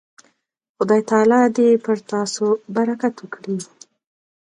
خدای تعالی دې پر تاسو برکت وکړي.